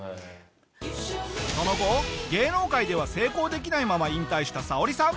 その後芸能界では成功できないまま引退したサオリさん。